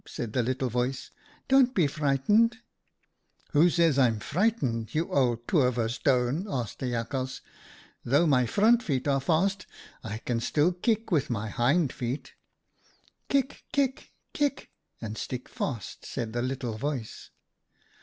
said a little voice, 'don't be frightened.' "' Who says I'm frightened, you old io 4 OUTA KAREL'S STORIES toever stone ?' asked Jakhals. ' Though my front feet are fast, I can still kick with my hind feet.' "' Kick, kick, kick, and stick fast,' said the little voice.